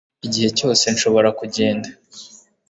igihe cyose nshobora kugenda